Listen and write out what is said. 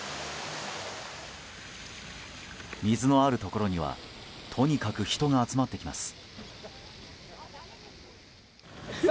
水のあるところにはとにかく人が集まってきます。